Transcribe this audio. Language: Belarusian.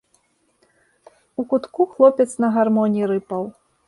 У кутку хлопец на гармоні рыпаў.